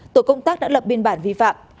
tổ công tác đã lập biên bản vi phạm